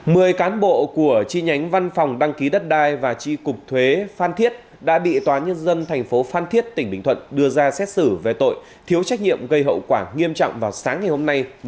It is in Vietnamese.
mười cán bộ của chi nhánh văn phòng đăng ký đất đai và chi cục thuế phan thiết đã bị tòa nhân dân thành phố phan thiết tỉnh bình thuận đưa ra xét xử về tội thiếu trách nhiệm gây hậu quả nghiêm trọng vào sáng ngày hôm nay